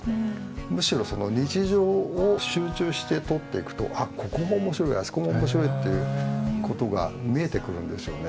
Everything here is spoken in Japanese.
むしろその日常を集中して撮っていくとあっここも面白いあそこも面白いってことが見えてくるんですよね。